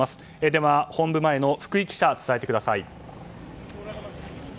では、本部前の福井記者伝えてください。